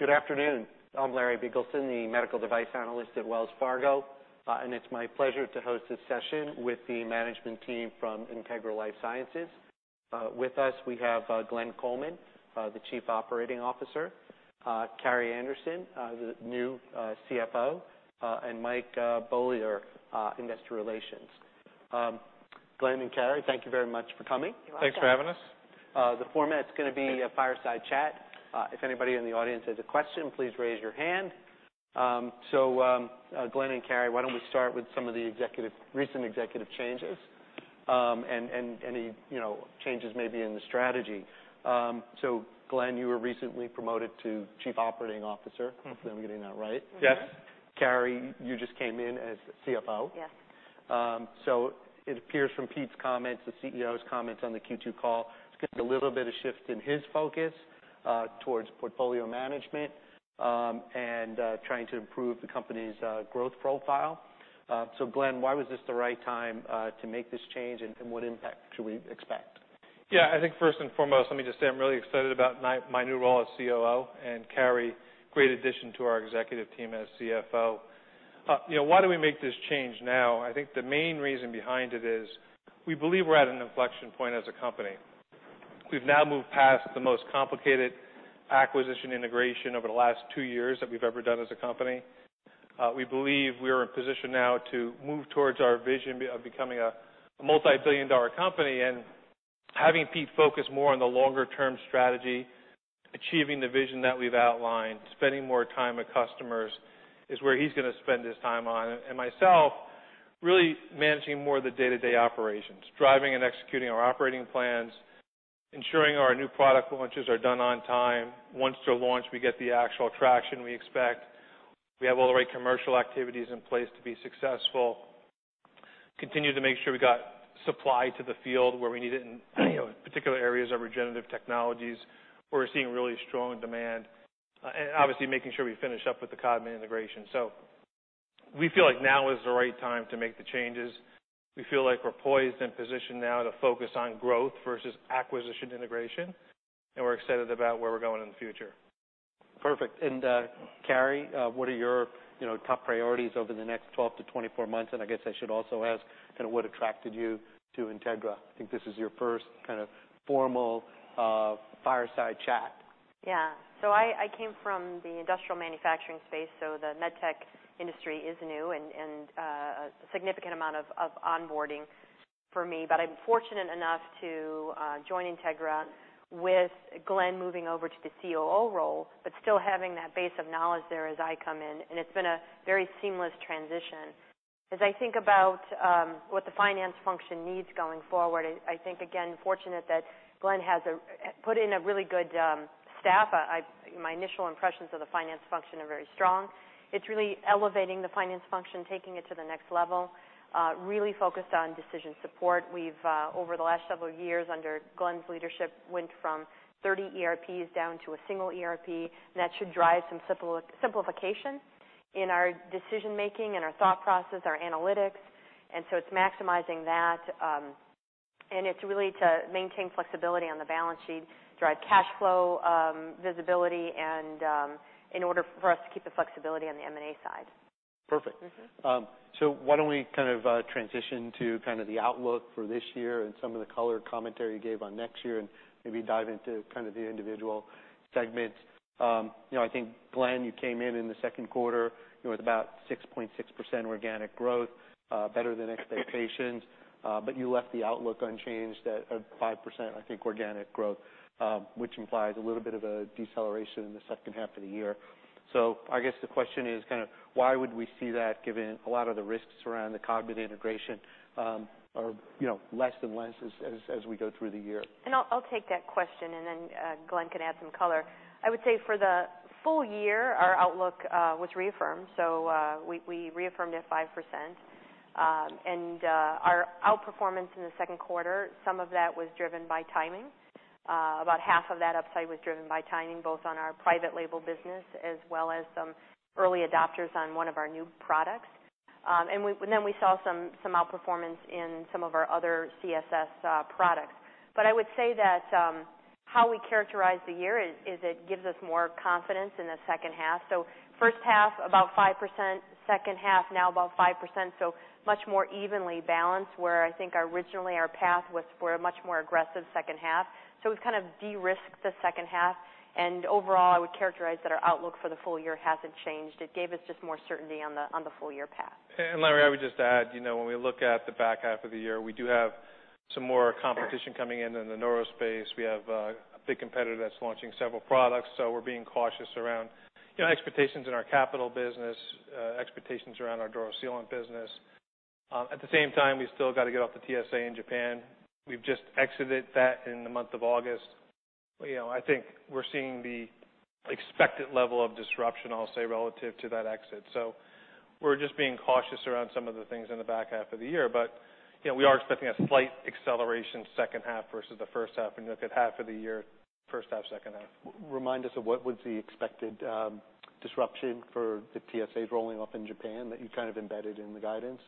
Good afternoon. I'm Larry Biegelsen, the medical device analyst at Wells Fargo, and it's my pleasure to host this session with the management team from Integra LifeSciences. With us, we have Glenn Coleman, the Chief Operating Officer; Carrie Anderson, the new CFO; and Mike Beaulieu, Investor Relations. Glenn and Carrie, thank you very much for coming. Thanks for having us. The format's gonna be a fireside chat. If anybody in the audience has a question, please raise your hand. Glenn and Carrie, why don't we start with some of the recent executive changes and the, you know, changes maybe in the strategy? Glenn, you were recently promoted to Chief Operating Officer. Mm-hmm. Hopefully, I'm getting that right. Yes. Carrie, you just came in as CFO. Yes. So it appears from Pete's comments, the CEO's comments on the Q2 call, it's gonna be a little bit of shift in his focus, toward portfolio management, and trying to improve the company's growth profile. So Glenn, why was this the right time to make this change, and what impact should we expect? Yeah. I think first and foremost, let me just say I'm really excited about my new role as COO, and Carrie, great addition to our executive team as CFO. You know, why do we make this change now? I think the main reason behind it is we believe we're at an inflection point as a company. We've now moved past the most complicated acquisition integration over the last two years that we've ever done as a company. We believe we're in position now to move towards our vision of becoming a multi-billion dollar company, and having Pete focus more on the longer-term strategy, achieving the vision that we've outlined, spending more time with customers is where he's gonna spend his time on it, and myself really managing more of the day-to-day operations, driving and executing our operating plans, ensuring our new product launches are done on time. Once they're launched, we get the actual traction we expect. We have all the right commercial activities in place to be successful. Continue to make sure we got supply to the field where we need it in, you know, particular areas of regenerative technologies where we're seeing really strong demand, and obviously making sure we finish up with the Codman integration. So we feel like now is the right time to make the changes. We feel like we're poised and positioned now to focus on growth versus acquisition integration, and we're excited about where we're going in the future. Perfect. And, Carrie, what are your, you know, top priorities over the next 12-24 months? And I guess I should also ask, kind of what attracted you to Integra? I think this is your first kind of formal, fireside chat. Yeah. So I came from the industrial manufacturing space, so the med tech industry is new, and a significant amount of onboarding for me. But I'm fortunate enough to join Integra with Glenn moving over to the COO role, but still having that base of knowledge there as I come in. And it's been a very seamless transition. As I think about what the finance function needs going forward, I think, again, fortunate that Glenn has put in a really good staff. My initial impressions of the finance function are very strong. It's really elevating the finance function, taking it to the next level, really focused on decision support. We've over the last several years under Glenn's leadership went from 30 ERPs down to a single ERP, and that should drive some simplification in our decision-making and our thought process, our analytics. And so it's maximizing that, and it's really to maintain flexibility on the balance sheet, drive cash flow, visibility, and, in order for us to keep the flexibility on the M&A side. Perfect. Mm-hmm. So why don't we kind of transition to kind of the outlook for this year and some of the color commentary you gave on next year and maybe dive into kind of the individual segments? You know, I think, Glenn, you came in in the second quarter, you know, with about 6.6% organic growth, better than expectations. But you left the outlook unchanged at 5%, I think, organic growth, which implies a little bit of a deceleration in the second half of the year. So I guess the question is kind of why would we see that given a lot of the risks around the Codman integration, or, you know, less and less as we go through the year? I'll take that question, and then Glenn can add some color. I would say for the full year, our outlook was reaffirmed. So we reaffirmed at 5%. Our outperformance in the second quarter, some of that was driven by timing. About half of that upside was driven by timing, both on our private label business as well as some early adopters on one of our new products. Then we saw some outperformance in some of our other CSS products. But I would say that how we characterize the year is it gives us more confidence in the second half. First half, about 5%; second half, now about 5%. Much more evenly balanced where I think originally our path was for a much more aggressive second half. We've kind of de-risked the second half. Overall, I would characterize that our outlook for the full year hasn't changed. It gave us just more certainty on the full year path. And Larry, I would just add, you know, when we look at the back half of the year, we do have some more competition coming in in the neuro space. We have a big competitor that's launching several products. So we're being cautious around, you know, expectations in our capital business, expectations around our dural sealant business. At the same time, we still gotta get off the TSA in Japan. We've just exited that in the month of August. You know, I think we're seeing the expected level of disruption, I'll say, relative to that exit. So we're just being cautious around some of the things in the back half of the year. But, you know, we are expecting a slight acceleration second half versus the first half when you look at half of the year, first half, second half. Remind us of what was the expected disruption for the TSA's rolling off in Japan that you kind of embedded in the guidance?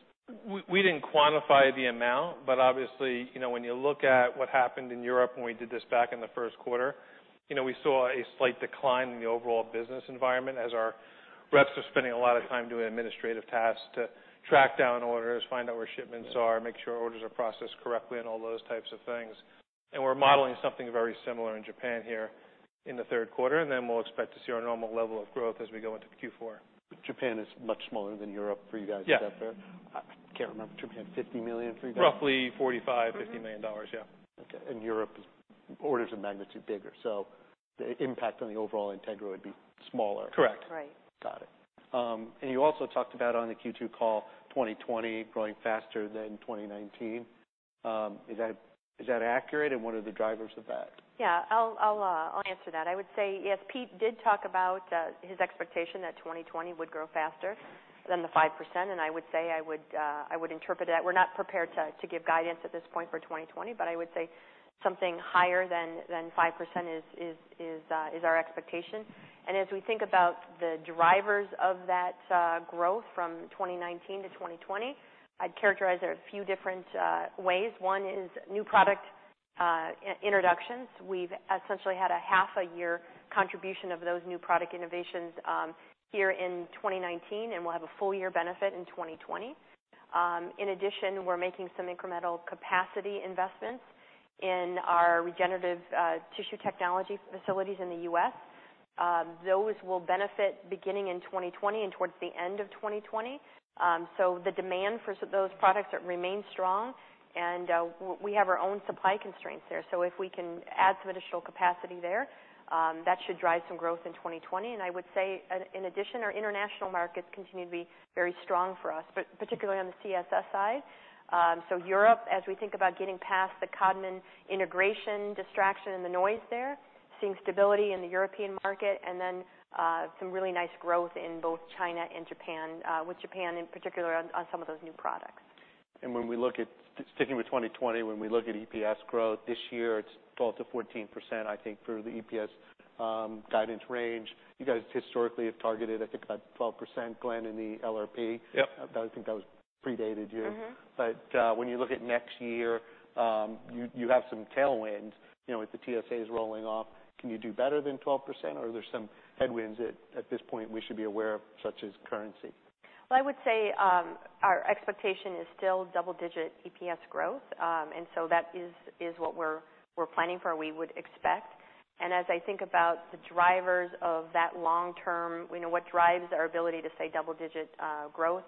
We didn't quantify the amount, but obviously, you know, when you look at what happened in Europe when we did this back in the first quarter, you know, we saw a slight decline in the overall business environment as our reps are spending a lot of time doing administrative tasks to track down orders, find out where shipments are, make sure orders are processed correctly, and all those types of things, and we're modeling something very similar in Japan here in the third quarter, and then we'll expect to see our normal level of growth as we go into Q4. Japan is much smaller than Europe for you guys. Yeah. Is that fair? I can't remember. Japan $50 million for you guys? Roughly $45 million-$50 million. Yeah. Okay. And Europe is orders of magnitude bigger. So the impact on the overall Integra would be smaller? Correct. Right. Got it. And you also talked about on the Q2 call, 2020 growing faster than 2019. Is that accurate, and what are the drivers of that? Yeah. I'll answer that. I would say, yes, Pete did talk about his expectation that 2020 would grow faster than the 5%, and I would say I would interpret that we're not prepared to give guidance at this point for 2020, but I would say something higher than 5% is our expectation. As we think about the drivers of that growth from 2019-2020, I'd characterize it a few different ways. One is new product introductions. We've essentially had a half a year contribution of those new product innovations here in 2019, and we'll have a full-year benefit in 2020. In addition, we're making some incremental capacity investments in our regenerative tissue technology facilities in the U.S. Those will benefit beginning in 2020 and towards the end of 2020. So the demand for those products remains strong, and we have our own supply constraints there, so if we can add some additional capacity there, that should drive some growth in 2020, and I would say, in addition, our international markets continue to be very strong for us, but particularly on the CSS side, so Europe, as we think about getting past the Codman integration distraction and the noise there, seeing stability in the European market, and then some really nice growth in both China and Japan, with Japan in particular on some of those new products. When we look at sticking with 2020, when we look at EPS growth, this year it's 12%-14%, I think, for the EPS guidance range. You guys historically have targeted, I think, about 12%, Glenn, in the LRP. Yep. But I think that was predated you. Mm-hmm. But, when you look at next year, you have some tailwinds, you know, with the TSAs rolling off. Can you do better than 12%, or are there some headwinds that at this point we should be aware of, such as currency? I would say, our expectation is still double-digit EPS growth. And so that is what we're planning for, we would expect. And as I think about the drivers of that long-term, you know, what drives our ability to say double-digit growth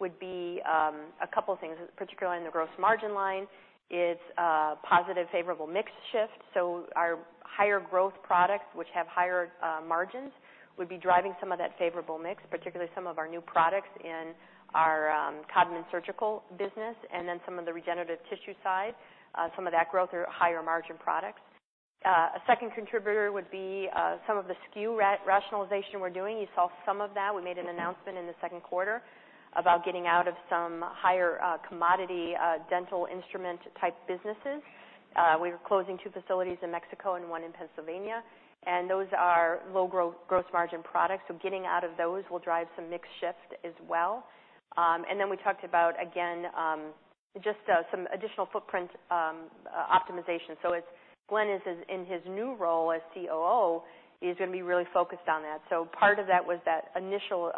would be a couple of things, particularly on the gross margin line. It's positive, favorable mix shift. So our higher growth products, which have higher margins, would be driving some of that favorable mix, particularly some of our new products in our Codman surgical business, and then some of the regenerative tissue side, some of that growth or higher margin products. A second contributor would be some of the SKU rationalization we're doing. You saw some of that. We made an announcement in the second quarter about getting out of some higher commodity dental instrument-type businesses. We were closing two facilities in Mexico and one in Pennsylvania, and those are low growth, gross margin products, so getting out of those will drive some mix shift as well, and then we talked about, again, just, some additional footprint optimization, so as Glenn is in his new role as COO, he's gonna be really focused on that, so part of that was that initial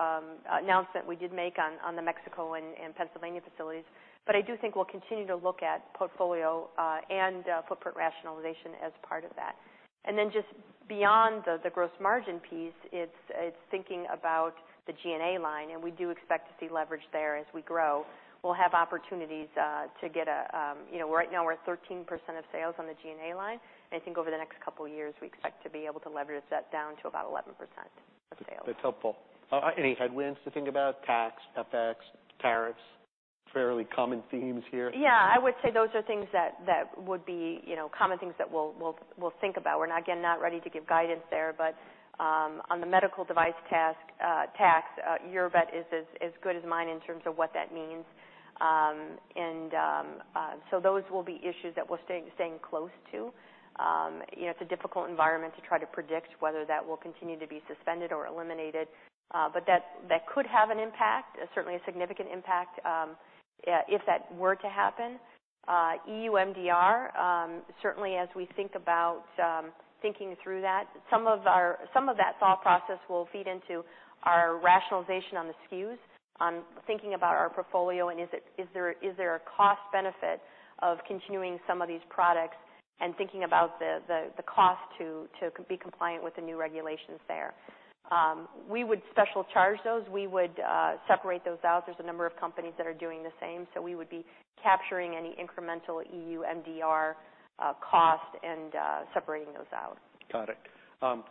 announcement we did make on the Mexico and Pennsylvania facilities, but I do think we'll continue to look at portfolio and footprint rationalization as part of that, and then just beyond the gross margin piece, it's thinking about the G&A line, and we do expect to see leverage there as we grow. We'll have opportunities, you know, right now we're at 13% of sales on the G&A line, and I think over the next couple of years we expect to be able to leverage that down to about 11% of sales. That's helpful. Any headwinds to think about? Tax, FX, tariffs? Fairly common themes here. Yeah. I would say those are things that would be, you know, common things that we'll think about. We're not, again, not ready to give guidance there, but on the medical device tax, your bet is as good as mine in terms of what that means, and so those will be issues that we'll stay close to. You know, it's a difficult environment to try to predict whether that will continue to be suspended or eliminated, but that could have an impact, certainly a significant impact, if that were to happen. EUMDR, certainly as we think about thinking through that, some of that thought process will feed into our rationalization on the SKUs, on thinking about our portfolio and is there a cost benefit of continuing some of these products and thinking about the cost to be compliant with the new regulations there. We would special charge those. We would separate those out. There's a number of companies that are doing the same, so we would be capturing any incremental EU MDR cost and separating those out. Got it,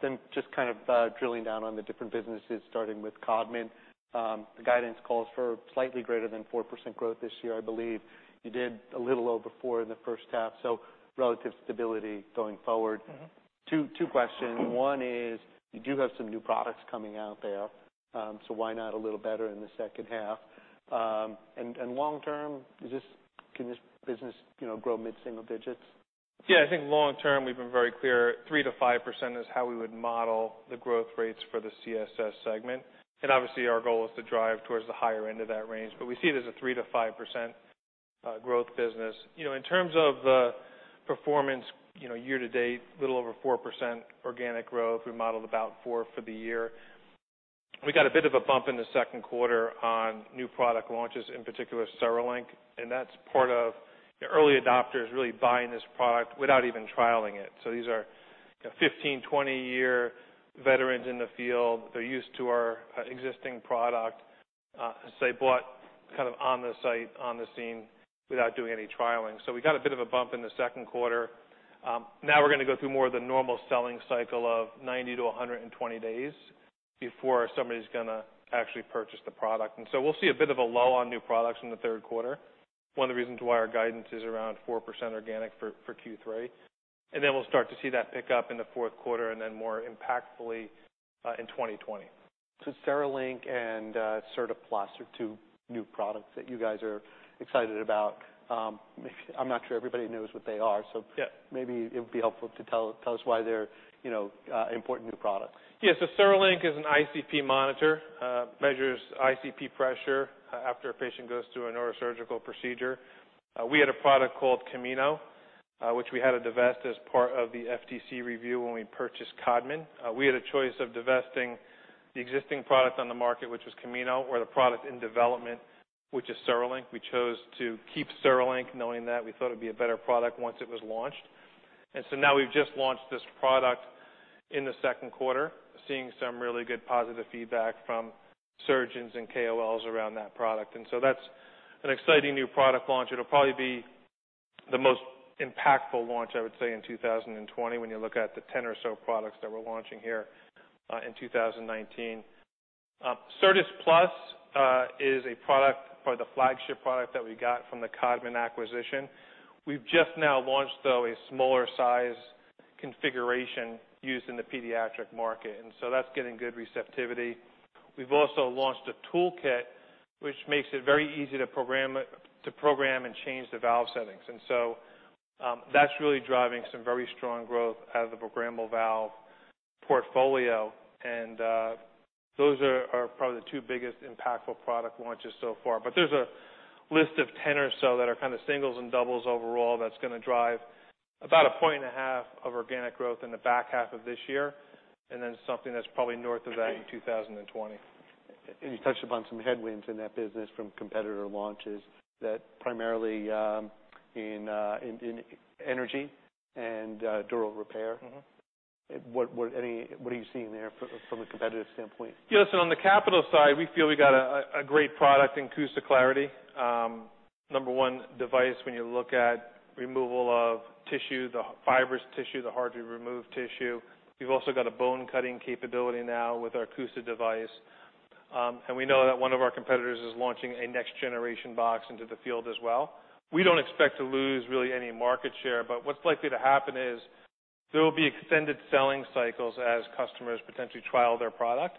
then just kind of drilling down on the different businesses, starting with Codman, the guidance calls for slightly greater than 4% growth this year, I believe. You did a little low before in the first half, so relative stability going forward. Mm-hmm. Two questions. One is you do have some new products coming out there, so why not a little better in the second half? And long-term, can this business, you know, grow mid-single digits? Yeah. I think long-term we've been very clear 3%-5% is how we would model the growth rates for the CSS segment. And obviously our goal is to drive towards the higher end of that range, but we see it as a 3%-5% growth business. You know, in terms of the performance, you know, year to date, a little over 4% organic growth. We modeled about 4% for the year. We got a bit of a bump in the second quarter on new product launches, in particular CereLink, and that's part of you know, early adopters really buying this product without even trialing it. So these are you know, 15-20-year veterans in the field. They're used to our existing product, so they bought kind of onsite, on scene without doing any trialing. So we got a bit of a bump in the second quarter. Now we're gonna go through more of the normal selling cycle of 90-120 days before somebody's gonna actually purchase the product. And so we'll see a bit of a lull on new products in the third quarter. One of the reasons why our guidance is around 4% organic for Q3. And then we'll start to see that pick up in the fourth quarter and then more impactfully, in 2020. So, CereLink and CERTAS Plus, the two new products that you guys are excited about. Maybe I'm not sure everybody knows what they are, so. Yeah. Maybe it would be helpful to tell us why they're, you know, important new products. Yeah. So CereLink is an ICP monitor, measures ICP pressure, after a patient goes through a neurosurgical procedure. We had a product called Camino, which we had to divest as part of the FTC review when we purchased Codman. We had a choice of divesting the existing product on the market, which was Camino, or the product in development, which is CereLink. We chose to keep CereLink knowing that we thought it'd be a better product once it was launched. And so now we've just launched this product in the second quarter, seeing some really good positive feedback from surgeons and KOLs around that product. And so that's an exciting new product launch. It'll probably be the most impactful launch, I would say, in 2020 when you look at the 10 or so products that we're launching here, in 2019. CERTAS Plus is a product or the flagship product that we got from the Codman acquisition. We've just now launched, though, a smaller size configuration used in the pediatric market, and so that's getting good receptivity. We've also launched a toolkit which makes it very easy to program and change the valve settings. And so, that's really driving some very strong growth out of the programmable valve portfolio. And, those are probably the two biggest impactful product launches so far. But there's a list of 10 or so that are kind of singles and doubles overall that's gonna drive about a point and a half of organic growth in the back half of this year, and then something that's probably north of that in 2020. You touched upon some headwinds in that business from competitor launches that primarily in energy and dural repair. Mm-hmm. What are you seeing there from a competitive standpoint? Yeah, so on the capital side, we feel we got a great product in CUSA Clarity, number one device when you look at removal of tissue, the fibrous tissue, the hard to remove tissue. We've also got a bone-cutting capability now with our CUSA device. And we know that one of our competitors is launching a next-generation box into the field as well. We don't expect to lose really any market share, but what's likely to happen is there'll be extended selling cycles as customers potentially trial their product.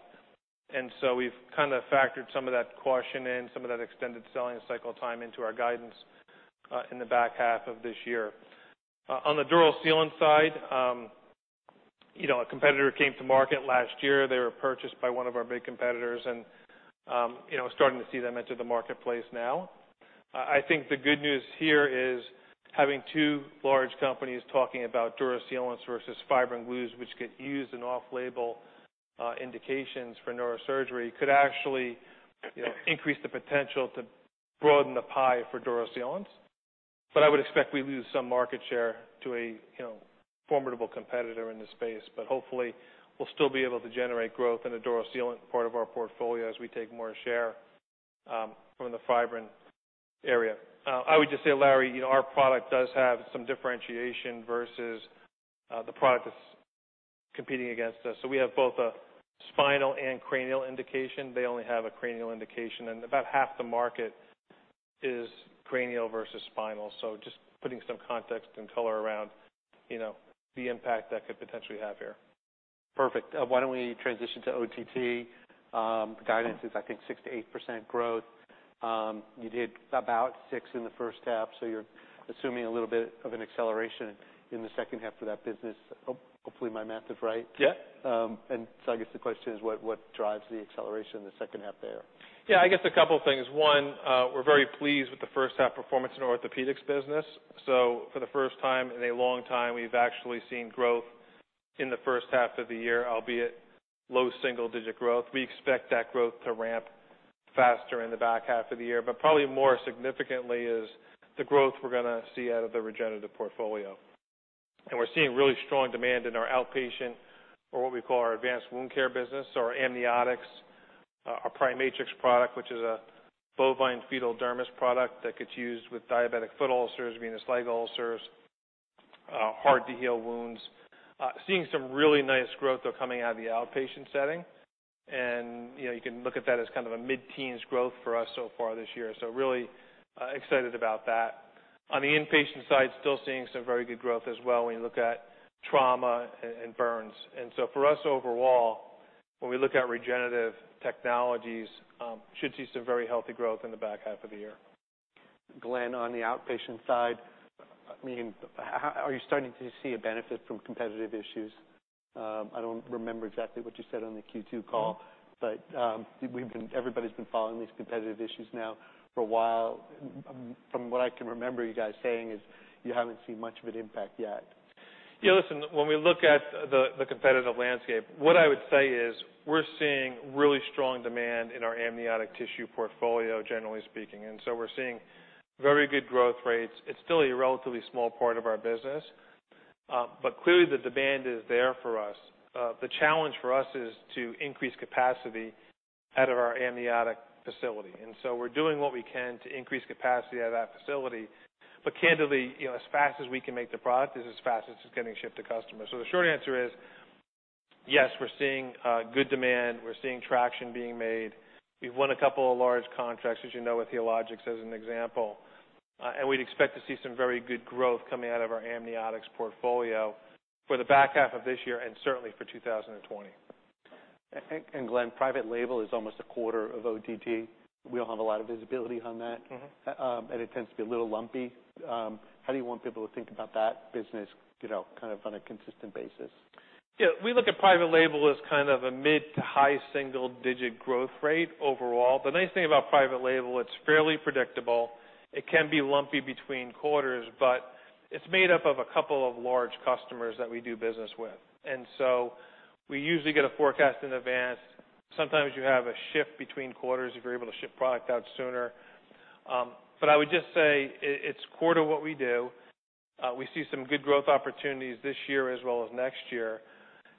And so we've kind of factored some of that caution and some of that extended selling cycle time into our guidance, in the back half of this year. On the dural sealant side, you know, a competitor came to market last year. They were purchased by one of our big competitors, and, you know, we're starting to see them enter the marketplace now. I think the good news here is having two large companies talking about dural sealants versus fibrin glues, which get used in off-label indications for neurosurgery, could actually, you know, increase the potential to broaden the pie for dural sealants. But I would expect we lose some market share to a, you know, formidable competitor in the space, but hopefully we'll still be able to generate growth in the dural sealant part of our portfolio as we take more share from the fibrin area. I would just say, Larry, you know, our product does have some differentiation versus the product that's competing against us. So we have both a spinal and cranial indication. They only have a cranial indication, and about half the market is cranial versus spinal. Just putting some context and color around, you know, the impact that could potentially have here. Perfect. Why don't we transition to OTT? Guidance is, I think, 6%-8% growth. You did about 6% in the first half, so you're assuming a little bit of an acceleration in the second half for that business. Hope, hopefully my math is right. Yep. And so I guess the question is what drives the acceleration in the second half there? Yeah. I guess a couple of things. One, we're very pleased with the first-half performance in orthopedics business. So for the first time in a long time, we've actually seen growth in the first half of the year, albeit low single-digit growth. We expect that growth to ramp faster in the back half of the year, but probably more significantly is the growth we're gonna see out of the regenerative portfolio. And we're seeing really strong demand in our outpatient, or what we call our advanced wound care business, so our amniotics, our PriMatrix product, which is a bovine fetal dermis product that gets used with diabetic foot ulcers, venous leg ulcers, hard-to-heal wounds, seeing some really nice growth, though, coming out of the outpatient setting. And, you know, you can look at that as kind of a mid-teens growth for us so far this year. So, really excited about that. On the inpatient side, still seeing some very good growth as well when you look at trauma and burns. And so for us overall, when we look at regenerative technologies, should see some very healthy growth in the back half of the year. Glenn, on the outpatient side, I mean, how are you starting to see a benefit from competitive issues? I don't remember exactly what you said on the Q2 call, but we've been, everybody's been following these competitive issues now for a while. From what I can remember, you guys saying is you haven't seen much of an impact yet. Yeah. Listen, when we look at the competitive landscape, what I would say is we're seeing really strong demand in our amniotic tissue portfolio, generally speaking. And so we're seeing very good growth rates. It's still a relatively small part of our business, but clearly the demand is there for us. The challenge for us is to increase capacity out of our amniotic facility. And so we're doing what we can to increase capacity at that facility, but candidly, you know, as fast as we can make the product is as fast as it's getting shipped to customers. So the short answer is yes, we're seeing good demand. We're seeing traction being made. We've won a couple of large contracts, as you know, with Healogics as an example. And we'd expect to see some very good growth coming out of our amniotics portfolio for the back half of this year and certainly for 2020. And, Glenn, private label is almost a quarter of OTT. We don't have a lot of visibility on that. Mm-hmm. And it tends to be a little lumpy. How do you want people to think about that business, you know, kind of on a consistent basis? Yeah. We look at private label as kind of a mid- to high single-digit growth rate overall. The nice thing about private label, it's fairly predictable. It can be lumpy between quarters, but it's made up of a couple of large customers that we do business with. And so we usually get a forecast in advance. Sometimes you have a shift between quarters if you're able to ship product out sooner. But I would just say it's quarter what we do. We see some good growth opportunities this year as well as next year.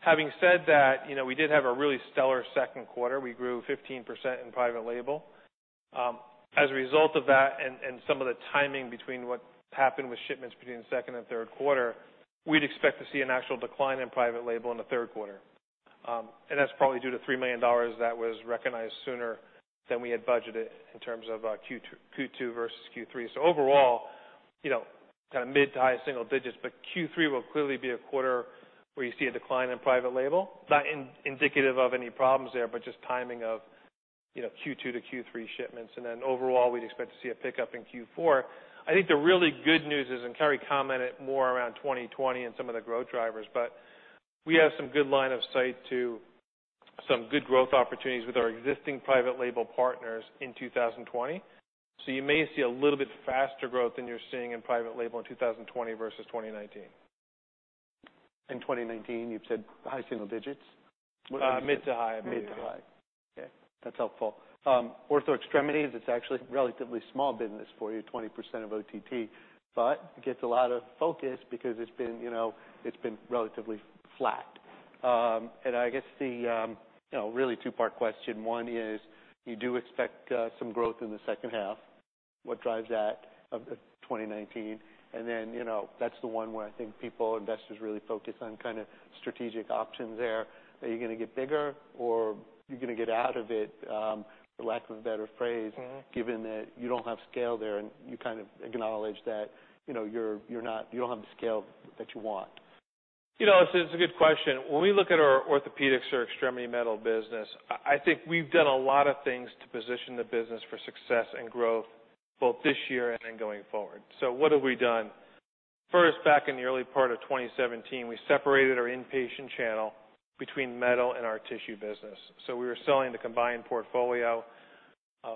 Having said that, you know, we did have a really stellar second quarter. We grew 15% in private label as a result of that and some of the timing between what happened with shipments between the second and third quarter. We'd expect to see an actual decline in private label in the third quarter. And that's probably due to $3 million that was recognized sooner than we had budgeted in terms of Q2 versus Q3. So overall, you know, kind of mid to high single digits, but Q3 will clearly be a quarter where you see a decline in private label. Not indicative of any problems there, but just timing of, you know, Q2 to Q3 shipments. And then overall, we'd expect to see a pickup in Q4. I think the really good news is, and Carrie commented more around 2020 and some of the growth drivers, but we have some good line of sight to some good growth opportunities with our existing private label partners in 2020. So you may see a little bit faster growth than you're seeing in private label in 2020 versus 2019. In 2019, you've said high single digits? Mid to high. Mid to high. Okay. That's helpful. Ortho Extremities, it's actually a relatively small business for you, 20% of OTT, but it gets a lot of focus because it's been, you know, it's been relatively flat, and I guess the, you know, really two-part question. One is you do expect some growth in the second half. What drives that of 2019? And then, you know, that's the one where I think people, investors really focus on kind of strategic options there. Are you gonna get bigger or you're gonna get out of it, for lack of a better phrase? Mm-hmm. Given that you don't have scale there and you kind of acknowledge that, you know, you're not, you don't have the scale that you want. You know, it's a good question. When we look at our orthopedics or extremity metal business, I think we've done a lot of things to position the business for success and growth both this year and then going forward. So what have we done? First, back in the early part of 2017, we separated our inpatient channel between metal and our tissue business. So we were selling the combined portfolio.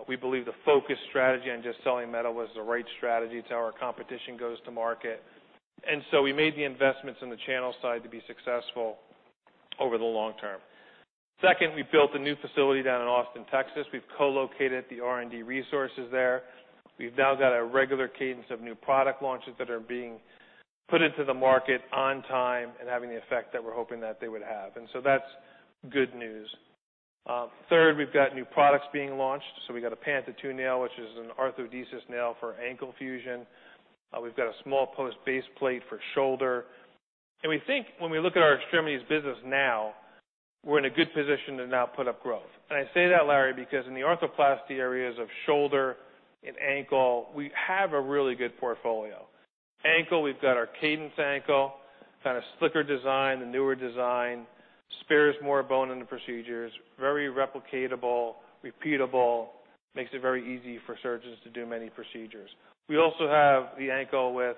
We believe the focus strategy on just selling metal was the right strategy to how our competition goes to market. And so we made the investments in the channel side to be successful over the long term. Second, we built a new facility down in Austin, Texas. We've co-located the R&D resources there. We've now got a regular cadence of new product launches that are being put into the market on time and having the effect that we're hoping that they would have, and so that's good news. Third, we've got new products being launched, so we got a Panta 2 Nail, which is an arthrodesis nail for ankle fusion. We've got a small post base plate for shoulder, and we think when we look at our extremities business now, we're in a good position to now put up growth. And I say that, Larry, because in the arthroplasty areas of shoulder and ankle, we have a really good portfolio. Ankle, we've got our Cadence Ankle, kind of slicker design, the newer design, spares more bone in the procedures, very replicatable, repeatable, makes it very easy for surgeons to do many procedures. We also have the ankle with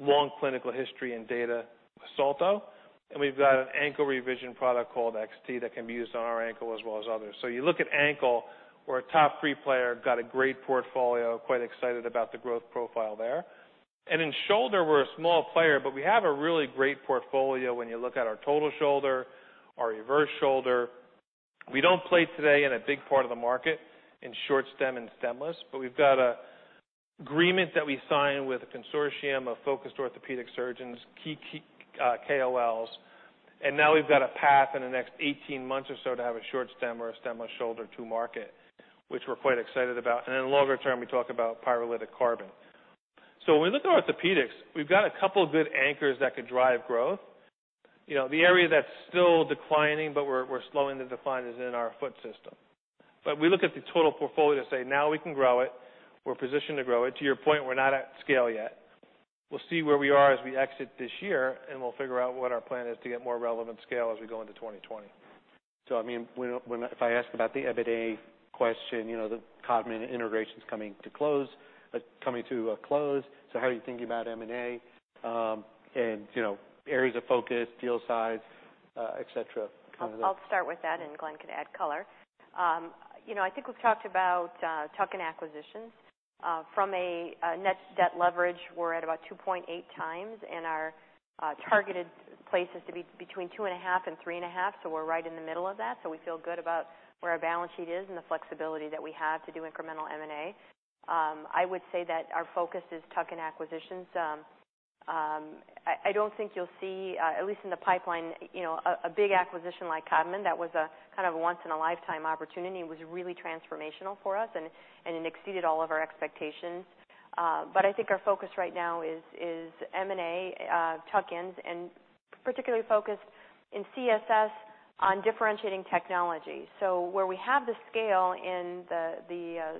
long clinical history and data with Salto, and we've got an ankle revision product called XT that can be used on our ankle as well as others, so you look at ankle, we're a top three player, got a great portfolio, quite excited about the growth profile there, and in shoulder, we're a small player, but we have a really great portfolio when you look at our total shoulder, our reverse shoulder. We don't play today in a big part of the market in short stem and stemless, but we've got an agreement that we signed with a consortium of focused orthopedic surgeons, key KOLs, and now we've got a path in the next 18 months or so to have a short stem or a stemless shoulder to market, which we're quite excited about, and then longer term, we talk about pyrolytic carbon. When we look at orthopedics, we've got a couple of good anchors that could drive growth. You know, the area that's still declining, but we're slowing the decline is in our foot system. But we look at the total portfolio to say, "Now we can grow it. We're positioned to grow it." To your point, we're not at scale yet. We'll see where we are as we exit this year, and we'll figure out what our plan is to get more relevant scale as we go into 2020. So, I mean, when, if I ask about the EBITDA question, you know, the Codman integration's coming to close. So how are you thinking about M&A, and, you know, areas of focus, deal size, etc.? I'll start with that, and Glenn can add color. You know, I think we've talked about tuck-in acquisitions. From a net debt leverage, we're at about 2.8 times, and our target range is to be between 2.5 and 3.5. So we're right in the middle of that. So we feel good about where our balance sheet is and the flexibility that we have to do incremental M&A. I would say that our focus is tuck-in acquisitions. I don't think you'll see, at least in the pipeline, you know, a big acquisition like Codman that was a kind of a once-in-a-lifetime opportunity was really transformational for us, and it exceeded all of our expectations. But I think our focus right now is M&A, tuck-ins, and particularly focused in CSS on differentiating technology. So where we have the scale in the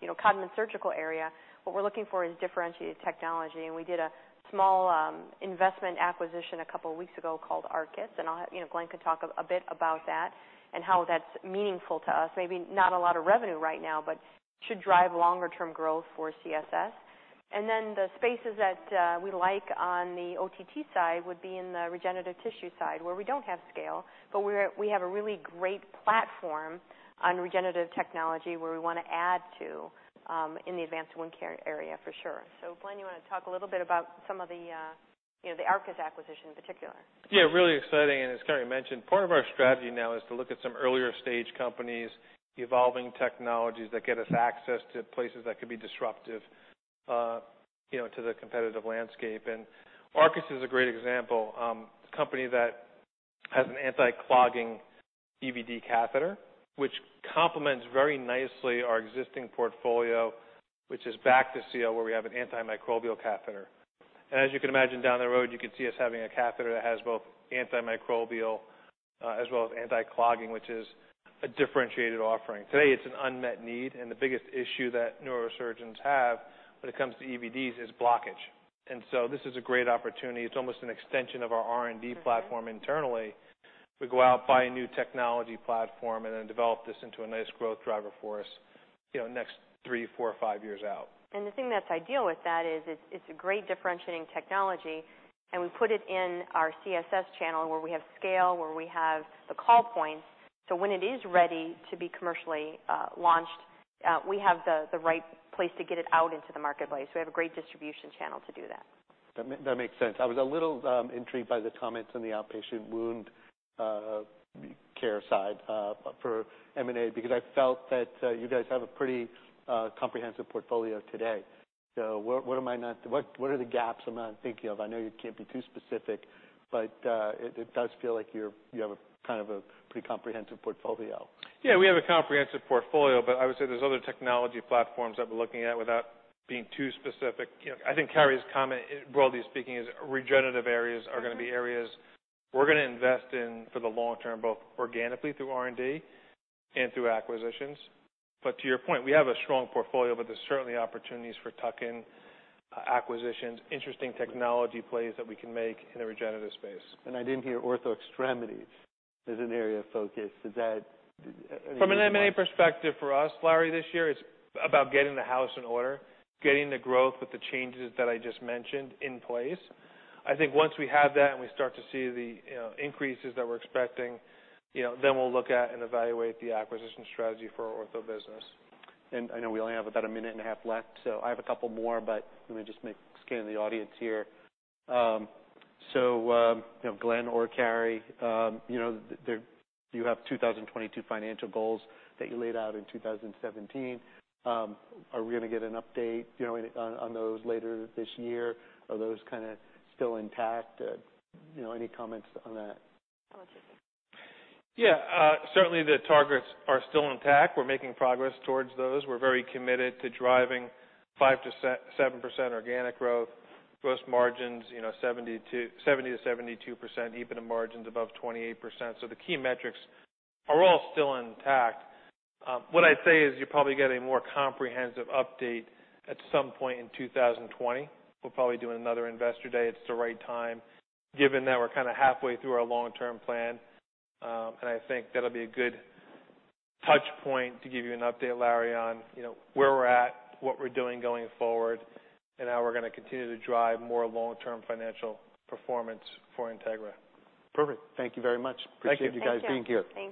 you know Codman surgical area, what we're looking for is differentiated technology. And we did a small investment acquisition a couple of weeks ago called Arkis, and I'll have you know Glenn can talk a bit about that and how that's meaningful to us. Maybe not a lot of revenue right now, but should drive longer-term growth for CSS. And then the spaces that we like on the OTT side would be in the regenerative tissue side where we don't have scale, but we have a really great platform on regenerative technology where we want to add to in the advanced wound care area for sure. So Glenn you want to talk a little bit about the Arkis acquisition in particular? Yeah. Really exciting, and as Carrie mentioned, part of our strategy now is to look at some earlier-stage companies, evolving technologies that get us access to places that could be disruptive, you know, to the competitive landscape. And Arkis is a great example, a company that has an anti-clogging EVD catheter, which complements very nicely our existing portfolio, which is Bactiseal, where we have an antimicrobial catheter. And as you can imagine, down the road, you can see us having a catheter that has both antimicrobial, as well as anti-clogging, which is a differentiated offering. Today, it's an unmet need, and the biggest issue that neurosurgeons have when it comes to EVDs is blockage. And so this is a great opportunity. It's almost an extension of our R&D platform internally. We go out, buy a new technology platform, and then develop this into a nice growth driver for us, you know, next three, four, five years out. The thing that's ideal with that is it's a great differentiating technology, and we put it in our CSS channel where we have scale, where we have the call points. So when it is ready to be commercially launched, we have the right place to get it out into the marketplace. We have a great distribution channel to do that. That makes sense. I was a little intrigued by the comments on the outpatient wound care side for M&A because I felt that you guys have a pretty comprehensive portfolio today. So what am I not thinking of? What are the gaps? I know you can't be too specific, but it does feel like you have a kind of a pretty comprehensive portfolio. Yeah. We have a comprehensive portfolio, but I would say there's other technology platforms that we're looking at without being too specific. You know, I think Carrie's comment, broadly speaking, is regenerative areas are going to be areas we're going to invest in for the long term, both organically through R&D and through acquisitions. But to your point, we have a strong portfolio, but there's certainly opportunities for tuck-in acquisitions, interesting technology plays that we can make in the regenerative space. I didn't hear Ortho Extremities as an area of focus. Is that? From an M&A perspective for us, Larry, this year, it's about getting the house in order, getting the growth with the changes that I just mentioned in place. I think once we have that and we start to see the, you know, increases that we're expecting, you know, then we'll look at and evaluate the acquisition strategy for our Ortho business. I know we only have about a minute and a half left, so I have a couple more, but let me just scan the audience here. So, you know, Glenn or Carrie, you know, there you have 2022 financial goals that you laid out in 2017. Are we going to get an update, you know, on those later this year? Are those kind of still intact? You know, any comments on that? I'll let you speak. Yeah, certainly the targets are still intact. We're making progress towards those. We're very committed to driving 5-7% organic growth, gross margins, you know, 70-72%, EBITDA margins above 28%. So the key metrics are all still intact. What I'd say is you're probably getting a more comprehensive update at some point in 2020. We're probably doing another investor day. It's the right time given that we're kind of halfway through our long-term plan. And I think that'll be a good touch point to give you an update, Larry, on, you know, where we're at, what we're doing going forward, and how we're going to continue to drive more long-term financial performance for Integra. Perfect. Thank you very much. Appreciate you guys being here.